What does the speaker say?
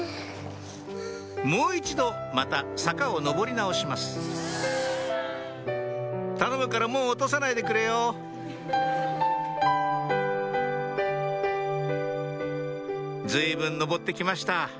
もう一度また坂を上り直します頼むからもう落とさないでくれよ随分上って来ました